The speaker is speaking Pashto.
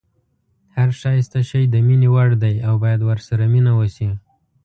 هر ښایسته شی د مینې وړ دی او باید ورسره مینه وشي.